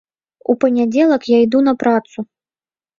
У панядзелак я іду на працу.